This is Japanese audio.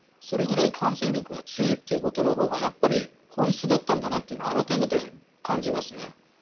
それぐらい感染力が強いということのほうがやっぱり本質だったんだなと改めて感じますね。